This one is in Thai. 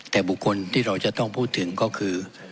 แต่บุคคลที่เราจะต้องพูดถึงก็คือ